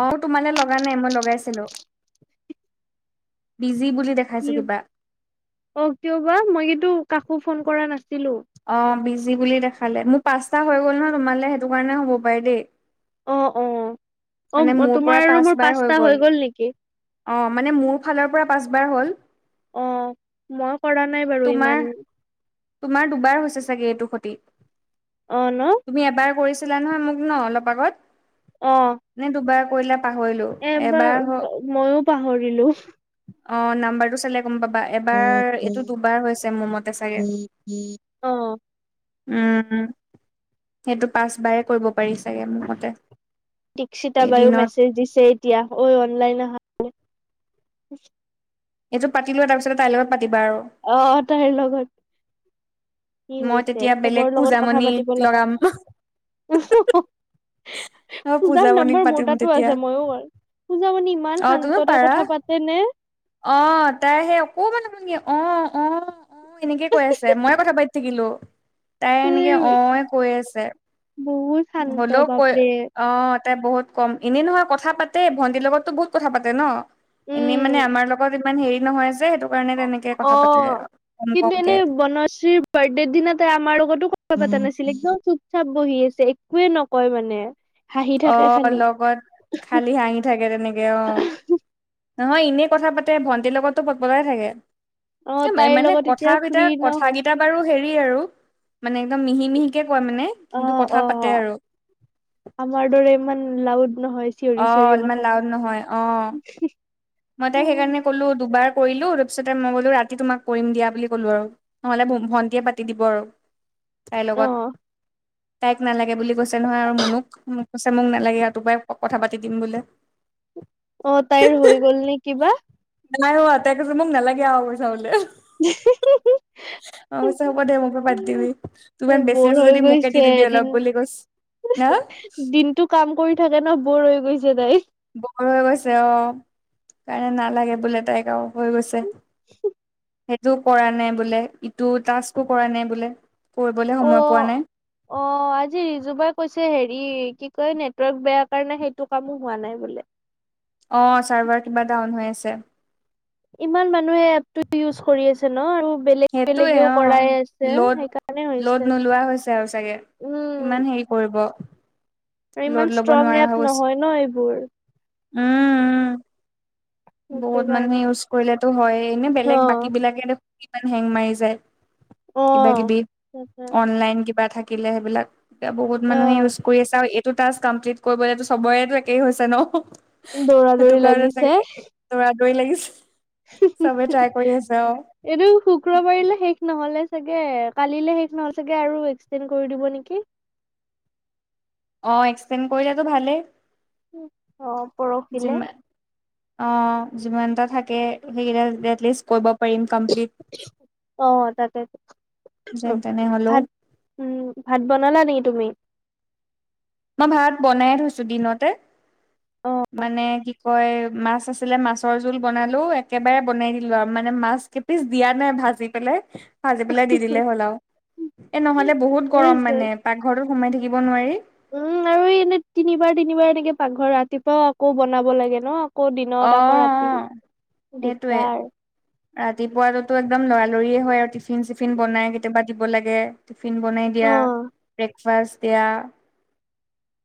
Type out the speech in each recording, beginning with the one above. অ' তোমালে লগা নাই মই লগাইছিলো বিজি বুলি দেখ খাইছে কি কিবা অ' কিয় বা মই কিন্তু কাকো ফোন কৰা নাছিলোঁ। অ' বিজি বুলি দেখালে মোৰ পাঁচটা হৈ গ'ল নহয় তোমালে সেইটো কাৰণে হ'ব পাৰে দেই। অ' অ' মানে অ' মোৰ পৰা তোমাৰ আৰু মোৰ পাঁচবাৰ পাঁচটা হৈ গ'ল নেকি? অ' মানে মোৰ ফালৰ পৰা পাঁচবাৰ হ'ল অ' মই কৰা নাই বাৰু তোমাৰ ইমান। তোমাৰ দুবাৰ হৈছে চাগে এইটো সতি। অ ন' তুমি এবাৰ কৰিছিলা নহয় মোক ন অলপ আগত। অ' নে দুবাৰ কৰিলে পাহৰিলো এবাৰ হ। ময়ো পাহৰিলো অ' নাম্বাৰটো চালে গম পাবা অ এবাৰ এইটো দুবাৰ হৈছে মোৰ মতে চাগে। অ' উম সেইটো পাচ পাই কৰিব। পাৰি চাগে। মোৰ মতে দীক্ষিতা বাইয়ো এদিনত মেছেজ দিছে এতিয়া ঐ অনলাইন আহা। এইটো পাতি লোৱা তাৰপিছত তাইৰ লগত পাতিবা আৰু। অ' অ' তাইৰ লগত কি মই হৈছে তেতিয়া বেলেগ চবৰ লগত কথা পূজামণিক পাতিব লগা। লগাম অ পূজাৰ পূজামণিক নাম্বাৰ মোৰ পাতিম তাতো তেতিয়া আছে মইও। পূজা মানে ইমান অ তুমিও শান্ততা পাৰা কথা পাতে নে! অ' তাই সেই অকমান ন ভগি অ' অ' অ' এনেকে কৈ আছে মই কথা পাতি থাকিলো তাই এনেকে নে অ কৈ আছে। বহুত। শান্ত হলেও কৈ বাপৰে অ ' তাতে বহুত কম এনেই নহয় কথা পাতেই ভন্টিৰ লগতো বহুত কথা পাতে ন এনে মানে উম আমাৰ লগত। ইমান হেৰি নহয় যে সেইটো। কাৰণে তেনেকে কথা পাতে অ' কম কিন্তু কমকে এনে বনশ্ৰীৰ বাৰ্থডেৰ দিনা তাই আমাৰ লগতো কথা পতা নাছিলে কিয় চুপ চাপ বহি আছে একোৱে নকয় মানে হাঁহি থাকে অ' খালি লগত খালী হাঁহি থাকে তেনেকে অ' নহয় এনেই কথা পাতে ভণ্টিৰ লগতো পতপতাই থাকে। অ এ তাইৰ মানে লগত কথা এতিয়া ফ্ৰী কেইটা নহ কথা কিটা। বাৰু হেৰি আৰু মানে একদম মিহি মিহিকে কয় মানে অ কিন্তু কথা অ পাতে আৰু। আমাৰ দৰে ইমান লাউড নহয় অ চিঞৰি চিঞৰি ইমান লাউড নহয় অ কথাটো। মই তাই সেইকাৰণে ক'লো দুবাৰ কৰিলো তাৰপিছতে মই ক'লো ৰাতি তোমাক কৰিম দিয়া বুলি ক'লো আৰু। নহলে ভন্টিয়ে পাতি দিব আৰু তাইৰ অ লগত। তাইক নালাগে বুলি কৈছে নহয় আৰু মুনুক। মোক কৈছে মোক নালাগে আৰু তোপাই কথা পাতি দিম বোলে। অ তাইৰ হৈ গ'ল নে কিবা। নাই হোৱা তাই কৈছে মোক নালাগে আও পইচা বোলে। [unintelligible] অ' চা হ'ব দে মোকে পাতি দিবি তোৰ ইমান বেছি বৰ আছে হৈ যদি মোকে গৈছে দি দিবি অলপ বুলি কৈছ। [unintelligible] দিনতটো কাম কৰি থাকে ন বৰ হৈ গৈছে তাই। বৰ হৈ গৈছে অ তাইক নালাগে বোলে তাইক হৈ গৈছে। [unintelligible] সেইটো কৰা নাই বোলে ইটো টাস্কো কৰা নাই বোলে কৰিবলৈ অ সময় পোৱা নাই। অ আজি ৰিজুবাই কৈছে হেৰি কি কয় নেটৱৰ্ক বেয়া কাৰণে সেইটো কামো হোৱা নাই বোলে। অ চাৰ্ভাৰ কিবা ডাউন হৈ আছে। ইমান মানুহে এপটো ইউজ কৰি আছে ন আৰু বেলেগ সেইটোৱে বেলেগেও কৰাই আছে অ লদ সেইকাৰণে হৈছে। লদ নোলোৱা হৈছে আৰু চাগে। উম কিমান হেৰি কৰিব। আৰু ল'ড ইমান ল'ব ষ্ট্ৰং নোৱাৰা হৈ এপ গৈছে নহয় ন এইবোৰ। উম উম, সেইটো বহুত মানে কাৰণে। ইউজ কৰিলেটো হয়ে এনে অ বেলেগ বাকী বিলাকেটো। কিমান হেং মাৰি যায় অ কিবা কিবি তাকে অনলাইন কিবা থাকিলে সেইবিলাক। এতিয়া বহুত অ মানুহে ইউজ কৰি আছে আৰু এইটো টাস্ক কমপ্লিট কৰিবলেতো চবৰেতো একেই হৈছে ন। দৌৰা সেইটো দৌৰি কাৰণে লাগিছে। চাগে দৌৰা আ দৌৰি লাগিছে চবে ট্ৰাই কৰি আছে অ। এইটো শুক্ৰবাৰিললৈ শেষ নহলে চাগে কালিলে শেষ নহলে চাগে আৰু এক্সটেণ্ড কৰি দিব নেকি। অ এক্সটেড কৰিলোতো ভালেই। অ কৰক, যি ম অ যিমানটা থাকে সেইকেইটা এটলিষ্ট কৰিব পাৰিম কপ্লিট, অ তাকেই, যেন তেনে হ'লেও। উম ভাত বনালা নেকি তুমি। মই ভাত বনাই থৈছো দিনতে মানে কি। কয় মাছ আছিলে মাছৰ জোল বনালোও একেবাৰে বনাই দিলো আৰু মানে মাছ। পিছ দিয়া নাই ভাজি পেলাই। ভাজি পেলাই দি দিলে হ'ল আৰুও এ নহলে বহুত ঠিকেই গৰম আছে। মানে পাকঘৰটোত সোমাই থাকিব নোৱাৰি। উম আৰু এই এনে তিনিবাৰ তিনিবাৰ এনেকে পাকঘৰ ৰাতিপুৱাও আকৌ বনাব লাগে ন। আকৌ অ দিনত আকৌ ৰাতি অ দিগদাৰ। ৰাতিপুৱাতো একদম লৰালৰিয়ে হয় আৰু টিফিন চিফিন বনাই কেতিয়াবা দিব লাগে। টিফিন বনাই দিয়া অ', ব্ৰেকফাষ্ট দিয়া।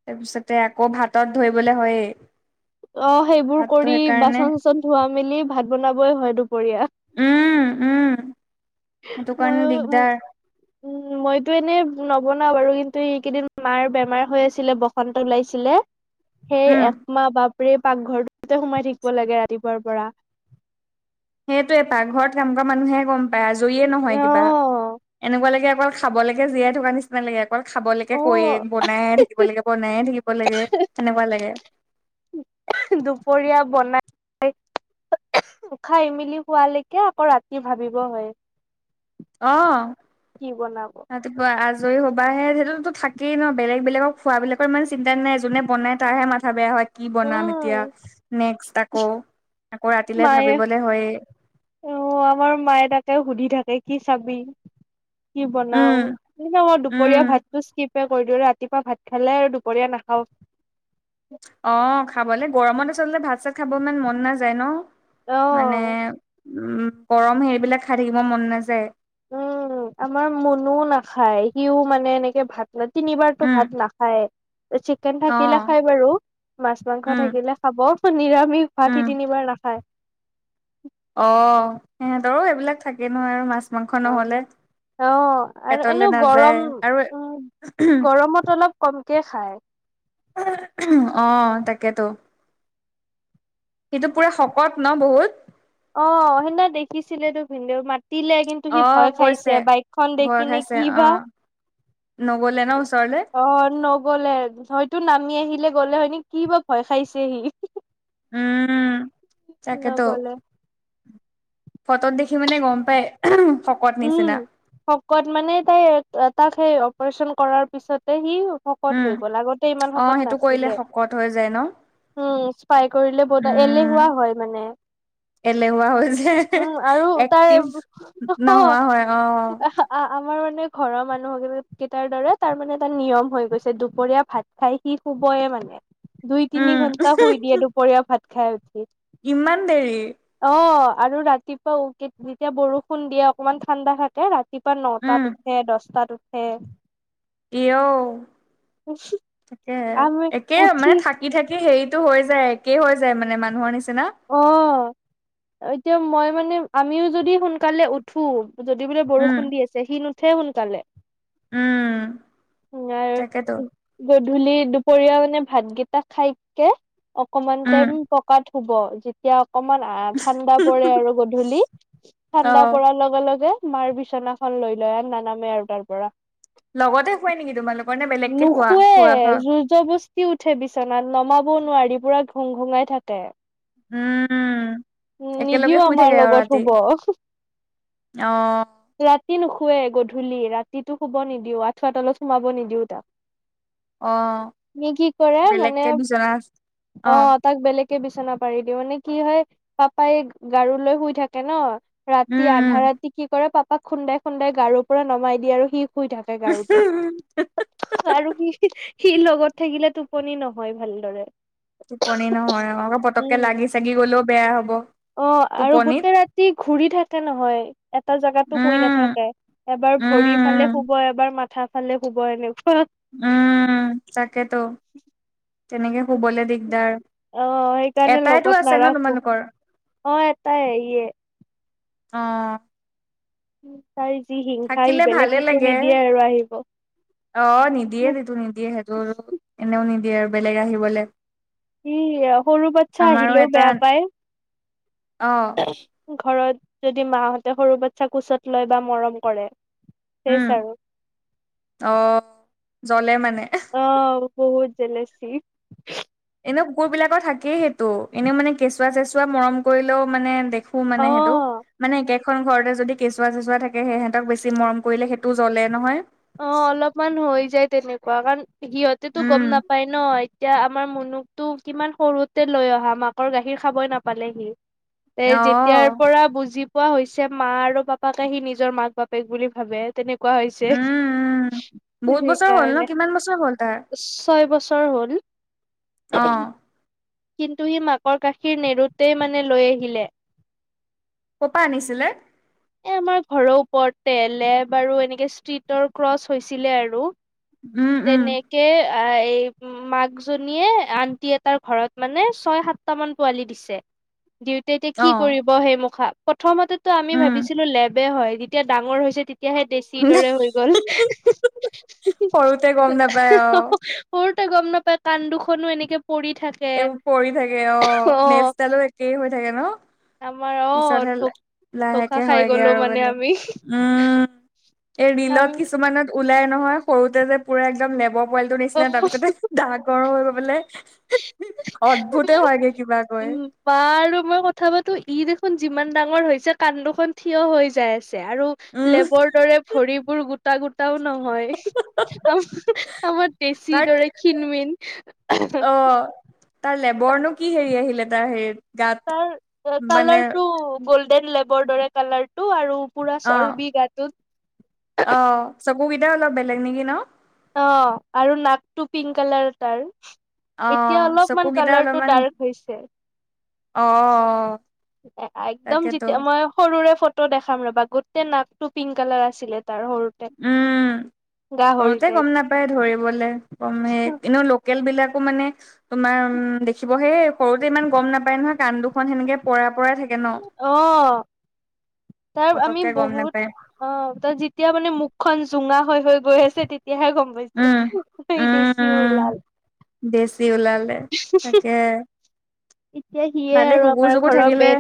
তাৰপিছতে আকৌ ভাতত ধৰিবলে হয়েই। অ সেইবোৰ ভাতটো কৰি সেইকাৰণে বাচন চাচন ধোৱা মেলি ভাত বনাবই হয় দুপৰীয়া। উম উম সেইটো কাৰণে মইও দিগদাৰ। উম মইতো এনেই নবনাও বাৰু কিন্তু এইকেইদিন মাৰ বেমাৰ হৈ আছিলে বসন্ত ওলাইছিলে। [inaudible] সেই একমাহ বাপৰে পাকঘৰটোতে সোমাই থাকিব লাগে ৰাতিপুৱাৰ পৰা। সেইটোৱয়ে পাক ঘৰত কাম কৰা মানুহে গম পায় আজৰিয়ে নহয় কিবা। অ', এনেকোৱা লাগে অকল খাবলেকে জীয়াই থকা নিচিনা লাগে। অকল খাবলৈকে কয় অ'। বনাই থাকিব লাগে বনায়ে থাকিব লাগে সেনেকোৱা লাগে। দুপৰীয়া বনাই, উ খাই মেলি শুৱালেকে আকৌ ৰাতি ভাবিব হয়ে। অ বনাব ৰাতিপুৱা আজৰি হ'বাহে সেইটো টো থাকেই ন বেলেগ বেলেগক খোৱাবিলাকৰ ইমান চিন্তা নাই যোনে বনাই। তাৰহে মাথা বেয়া হয়। কি বনাম এতিয়া উম নেক্স আকৌ আকৌ ৰাতিলে মায়ে ভাবিবলে হয়ে। অ আমাৰ মায়ে তাকে সুধি থাকে কি চাবি, কি বনাও উম দুপৰীয়া উম ভাততো ইছকিপ, কৰি দিওঁ ৰাতিপুৱা ভাত খালে আৰু দুপৰীয়া নাখাও। অ খাবলে গৰমত আচলতে ভাত চাত খাব ইমান মন নাযায় ন। অ মানে উম গৰম সেইবিলাক খাই থাকিব মন নাযায়। উম আমাৰ মুনুও নাখায় সিও মানে এনেকে ভাত তিনিবাৰতো উম ভাত নাখায়েই চিকেন অ থাকিলে খাই বাৰু মাছ মাংস উম থাকিলে। খাব নিৰামিষ ভাত উম সি তিনিবাৰ নাখায়। অ সিহঁতৰো এইবিলাক থাকে নহয় আৰু মাছ মাংস অ নহলে। অ আৰু পেটলে এনেও নাযায় গৰম আৰু উম গৰমত অলপ কমকে খায়। অ তাকেতো, সেইটো পুৰা শকত ন বহুত। অ সেদিনা দেখিছিলেত তো ভিন্দৌ মাতিলে কিন্তু, সি অ' ভয় খাইছে কৈছে বাইকখন ভয় দেখি নে খাইছে কিবা। অ' নগলে ন ওচৰলে অ নগলে। হয়তো নামি আহিলে গ'লে হয়নি কি বা ভয় খাইছে হি। উম তাকেটো। নগলে ফটোত দেখি মানে গম পাই শকত নিচিনা। উম শকত মানে তাই তাক সেই অপাৰেচন কৰাৰ পিছতে সি, শকত উম হৈ গ'ল আগতে ইমান অ' শকত সেইটো কৰিলে নাছিলে। শকত হৈ যায় ন উম স্পাই কৰিলে বহুত উম এলেহুৱা হয় মানে। এলেহুৱা হৈ যায় উম আৰু তাৰ এক্টিভ নোহোৱা হয় অ' আমাৰ মানে ঘৰৰ মানুহ কেইটাৰ দৰে তাৰ মানে এটা নিয়ম হৈ গৈছে দুপৰীয়া ভাত, খাই সি শুবয়ে মানে দুই উম তিনি ঘন্টা শুই দিয়ে দুপৰীয়া ভাত খাই উঠি। ইমান দেৰি। অ আৰু ৰাতিপুৱাও যেতিয়া বৰষুণ দিয়ে অকমান ঠাণ্ডা এ ৰাতিপুৱা উম নটাত উঠে দহটাত উঠে। ইঅও তাকেহে আমি একে উঠি মানে থাক, থাকি থাকি হেৰিতটো হৈ যায় একেই হৈ যায় মানে মানুহৰ নিচিনা। অ এতিয়া মই মানে আমিও যদি সোনকালে উঠো। যদি বোলে উম বৰষুণ দি আছে সি নুঠে সোনকালে। উম তাকেতো [unintelligible] গধূলি দুপৰীয়া মানে ভাতকেইটা খাইকে, অকমান উম টাইম পকাত হুব। এতিয়া অকমান ঠাণ্ডা পৰে আৰু গধূলি অ ঠাণ্ডা পৰাৰ লগে লগে। মাৰ বিচনাখন লৈ লয় আৰু নানামে আৰু তাৰ পৰা। লগতে শুৱে নেকি তোমালোকৰ নে বেলেগকে শুৱা বস্তি উঠে বিচনাত নমাবও নোৱাৰি পুৰা ঘুং ঘুঙাই থাকে। উম একেলগে নিদিও শুই থাকে আমাৰ আৰু লগত ৰাতি শুব অ ৰাতি নুশুৱে গধূলি ৰাতিটো শুব নিদিও আঠুৱা তলত সোমাব নিদিও তাক। অ সি কি কৰে মানে বেলেগকে বিচনা অ আহ, তাক বেলেগে বিচনা পাৰি দিওঁ মানে কি হয় পাপাই গাৰু লৈ শুই থাকে ন। উম ৰাতি আধা ৰাতি কি কৰে পাপাক খুন্দাই খুন্দাই গাৰুৰ পৰা নমাই দিয়ে আৰু সি, শুই থাকে, উম গাৰুটোত। আৰু সি, সি লগত থাকিলে টোপনি নহয়, ভালদৰে। টোপনি নহয়। আকৌ, পতককে উম লাগি- চাগি গলেও বেয়া হ'ব। অ'! আৰু টোপনিত গোটেই ৰাতি ঘূৰি থাকে নহয়, এটা জেগাতো শুই উম নাথাকে। এবাৰ ভৰি ফালে উম শুব এবাৰ মাথা ফালে শুব এনেকুৱা। উম তাকেতো। তেনেকে শুবলে দিগদাৰ অ সেইকাৰণে লগত এটাইতো আছে ন নাৰাখো তোমালোকৰ। অ এটাই ইয়ে। অ'! তাই যি হিংসা! সি থাকিলে বেলেগ ভালে কুকুৰ লাগে নিদিয়ে আৰু আহিব। অ'! নিদিয়ে, সেইটো নিদিয়ে। সেইটো এনেও নিদিয়ে আৰু বেলেগ আহিবলে। [unintelligible] সৰু বাচ্ছা আমাৰো আহিলেও এটা বেয়া পায়। অ'! ঘৰত যদি মাহঁতে, সৰু বাচ্ছা কোঁচত লয় বা মৰম কৰে। উম চেছ আৰু। অ জ্বলে মানে অ'! বহুত জেলাছি! এনেও, কুকুৰবিলাকৰ থাকেই সেইটো। এনেও মানে, কেঁচুৱা-চেচুৱা মৰম কৰিলেও মানে, দেখ কোন অ'। মানে, সেইটো? মানে, [unintelligible] এখন ঘৰতে যদি, কেঁচুৱা- চেচুৱা থাকে, সিহঁতক বেছি মৰম কৰিলে, সেইটো জ্বলে নহয়! অ'! অলপমান হৈ যায় তেনেকুৱা। কাৰণ, সিহঁতেতো গম উম নাপায় ন'। এতিয়া, আমাৰ মুনুটো, কিমান সৰুতে লৈ অহা, মাকৰ গাখীৰ খাবই নাপালে, সি। এই, অ যেতিয়াৰ পৰা বুজি কোৱা হৈছে, মা আৰু পাপাকে সি, নিজৰ মাক বাপেক বুলি ভাবে, তেনেকুৱা উম হৈছে। উম বহুত বছৰ হ'ল ন সেইকাৰণে, কিমান বছৰ হ'ল তাৰ ছয় বছৰ হ'ল। অ'! কিন্তু, সি মাকৰ গাখীৰ নেৰোঁতেই মানে, লৈ আহিলে। কৰপা আনিছিলে? এই, আমাৰ ঘৰৰ ওপৰতে। [unintelligible] আৰু এনেকে, ষ্ট্ৰিটৰ ক্ৰচ হৈছিলে আৰু। উম উম তেনেকে, এই মাকজনীয়ে, আন্টি এটাৰ ঘৰত মানে, ছয়-সাতটা মান পোৱালি দিছে। দিওঁতে এতিয়া, অ কি কৰিব সেই মখা? প্ৰথমতেতো আমি উম ভাবিছিলোঁ! লেবে হয়। যেতিয়া, ডাঙৰ হৈছে, তেতি এতিয়াহে, দেচি দৰে হৈ গ'ল। সৰুতে গম নাপায় অ সৰুতে গম নাপায়, কান দুখনো, এনেকে পৰি থাকে। এইবোৰ পৰি থাকে, অ'! নেজ ডালো একেই হৈ থাকে ন'? আমাৰ অ পিছতহে, ধ ধোকা লাহেকে খাই হয়গে গলো আৰু মানে। আমি উম! এ, ৰিলত আমি কিছুমানত ওলাই নহয়। সৰুতে যে, পূৰা একদম, লেব মোবাইলটোৰ নিচিনা। তাৰ অ', পিছতে, ডাঙৰ গৰম হৈ গ'লে। অদ্ভুতে হয়গে, কিবা কৈ। মা আৰু মই কথা পাতোঁ, ই দেখোন, যিমান ডাঙৰ হৈছে, কান দুখন থিয় হৈ যাই আছে। আৰু উম লেবৰ দৰে, ভৰিবোৰ গোটা-গোটাও নহয়। আমাৰ, আমাৰ দেচিৰ তাৰ দৰে খিন-মিন। অ তাৰ, লেবৰনো কি হেৰি আহিলে, তাৰ হেৰিত? গাত তাৰ মানে কালাৰটো, গল্ডেন লেবৰ দৰে কালাৰটো। আৰু পূৰা অ চৰ্বি গাটোত। অ'! চকুকেইটাও অলপ বেলেগ নেকি ন'? অ'! আৰু নাকটো পিংক কালাৰ তাৰ। অ এতিয়া, অলপমান চকুকেইটা কালাৰটো অলপমান ডাৰ্ক হৈছে। অ অ [unintelligible] একদম তাকেতো যেতিয়া, মই সৰুৰে ফটো ফটো দেখাম ৰ'বা, গোটেই নাকটো পিংক কালাৰ আছিলে তাৰ। সৰু উম, সৰুতে গম নাপায় ধৰিবলে গমেই এনেও লক লোকেল বিলাকো মানে তোমাৰ উম, দেখিব সেই সৰুতে ইমান গম নাপায় নহয় কাণ দুখন সেনেকে পৰা- পৰা থাকে। ন অ, তাৰ আমি পতককে গম বহুত নাপায় অ, ত' যেতিয়া মানে মুখখন জোঙা হৈ গৈ -গৈ আছে তেতিয়াহে গম [unintelligible] দেচি ওলাল। দেচি ওলালে, তাকে। এতিয়া সিয়ে ভালে, আৰু কুকুৰ আমাৰ -চুকুৰ ঘৰৰ থাকিলে, মেইন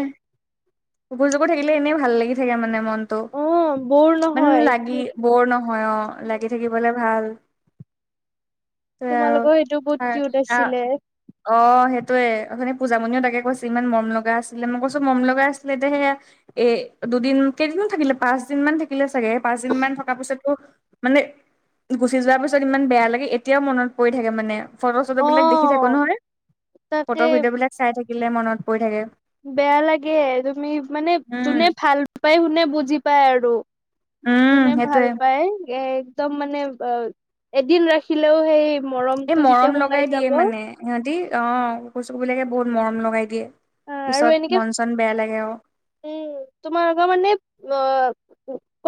কুকুৰ- চুকুৰ থাকিলে, এনেই ভাল লাগি থাকে মানে, মন। অ' বৰ ত' মানে, নহয় লাগি এতিয়া বৰ নহয়, অ'! লাগি থাকিবলে ভাল। তোমালোকৰ [unintelligible] সেইটো বহুত কিউট অ'! আছিলে সেইটোৱে, অথনি পূজামণিও তাকে তাকে কৈছে ইমান মৰম লগা আছিলে মই কৈছো মৰম লগা আছিলে এতিয়া সেয়া এ দুদিন কেইদিনমান থাকিলে পাঁচ দিন মান থাকিলে চাগে পাঁচ দিন মান থকাৰ পিছতো মানে গুচি যোৱাৰ পিছত ইমান বেয়া লাগে এতিয়াও মনত পৰি থাকে মানে। ফটো-চটো বিলাক দেখি থাকো অ' নহয় তাকে ফটো ভিডিঅ' বিলাক চাই থাকিলে মনত পৰি থাকে। বেয়া লাগে তুমি মানে উম যোনে ভাল পায় শোনে বুজি পায় আৰু। উম যোনে ভাল সেইটোয়ে পায় এ একদম মানে অ, এদিন ৰাখিলেও সেই মৰমটো যেতিয়া সোমাই যাব। সিহতি অ, কুকুৰ- চুকুৰ বিলাকে বহুত মৰম লগাই দিয়ে আৰু এনেকে পিছত মন- চন বেয়া লাগে অ, উম, তোমালোকৰ মানে অ,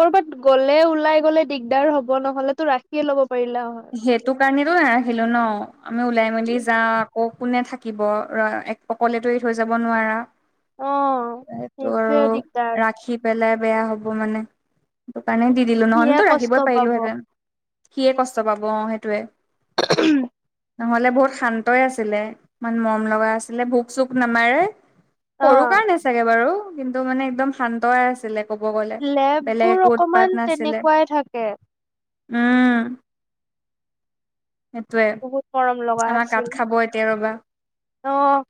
কৰ'বাত গ'লে ওলাই গলে দিগদাৰ হ'ব নহলে তো ৰাখিয়ে ল'ব পাৰিলে হয়। সেইটো কাৰণেতো নাৰাখিলো ন'আমি ওলাই মেলি যাও আকৌ কোনে থাকিব ৰ অকলেতো এৰি থৈ যাব নোৱাৰা। অ'। সেইটো আৰু সেইটোৱে দিগদাৰ ৰাখি পেলাই বেয়া হ'ব মানে। সেটো কাৰণে দি দিলো সিহে ন'হলেতো ৰাখিবই কষ্ট পাব। পাৰিলোহেতেন সিয়ে কষ্ট পাব অ, সেইটোৱে। উম, ন'হলে বহুত শান্তই আছিলে ইমান মৰম লগা আছিলে ভোক- চোক নামাৰে। সৰু অ'। কাৰণে চাগে বাৰু কিন্তু মানে একদম শান্তই আছিলে। ক'ব গ'লে বেলেগ লেববোৰ একো উৎপাত অকমান নাছিলে তেনেকুৱাই থাকে উম, সেইটোয়ে বহুত মৰম লগা আমাৰ কাত আছিল খাব এতিয়া ৰবা অহ,